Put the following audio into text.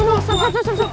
tunggu tunggu tunggu